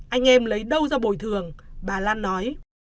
anh em lấy đâu ra bồi thường bà lan nói